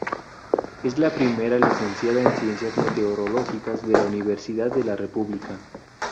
Es la primera Licenciada en Ciencias Meteorológicas de la Universidad de la República.